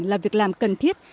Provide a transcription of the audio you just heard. là việc làm cần thiết